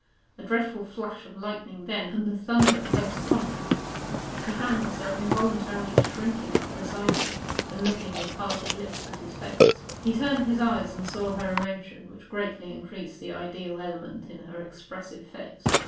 A dreadful flash of lightning then, and the thunder close upon it. She found herself involuntarily shrinking up beside him, and looking with parted lips at his face. He turned his eyes and saw her emotion, which greatly increased the ideal element in her expressive face.